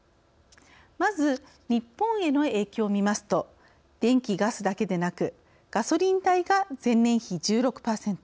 まず日本への影響を見ますと電気・ガスだけでなくガソリン代が前年比１６％